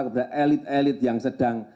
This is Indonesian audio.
kepada elit elit yang sedang